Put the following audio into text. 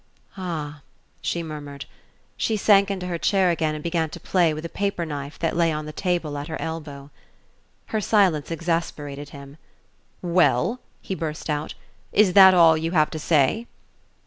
"Ah," she murmured. She sank into her chair again and began to play with a paper knife that lay on the table at her elbow. Her silence exasperated him. "Well?" he burst out. "Is that all you have to say?"